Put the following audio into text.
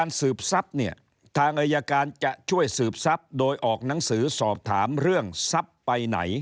สืบทรัพย์เนี่ยทางอายการจะช่วยสืบทรัพย์โดยออกหนังสือสอบถามเรื่องทรัพย์ไปไหน